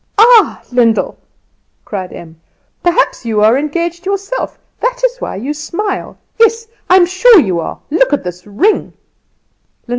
"Ah, Lyndall," Em cried, "perhaps you are engaged yourself that is why you smile. Yes; I am sure you are. Look at this ring!"